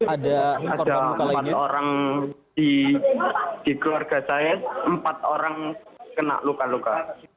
ada empat orang di keluarga saya empat orang kena luka luka